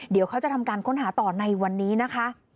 เดี๋ยวเขาจะทำการค้นหาต่อในวันนี้นะคะ